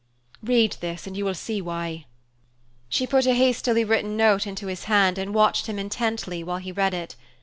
Read this, and you will see why." She put a hastily written note into his hand and watched him intently while he read it.